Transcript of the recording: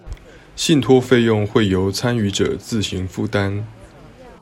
信託費用會由參與者自行負擔